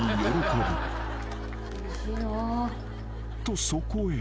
［とそこへ］